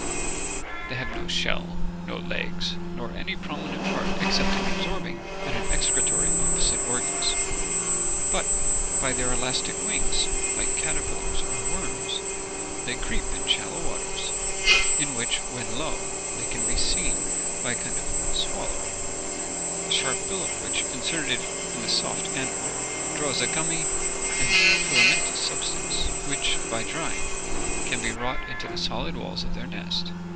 They have no shell, no legs, nor any prominent part, except an absorbing and an excretory, opposite organs; but, by their elastic wings, like caterpillars or worms, they creep in shallow waters, in which, when low, they can be seen by a kind of swallow, the sharp bill of which, inserted in the soft animal, draws a gummy and filamentous substance, which, by drying, can be wrought into the solid walls of their nest.